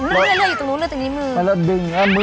เลือดอยู่ตรงนู้นเลยตรงนี้มือ